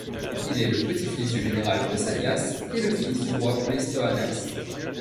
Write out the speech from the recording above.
Il est le petit-fils du général Pausanias et le fils du roi Pleistoanax.